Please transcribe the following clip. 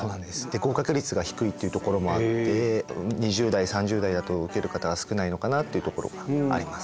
合格率が低いっていうところもあって２０代３０代だと受ける方が少ないのかなっていうところがありますね。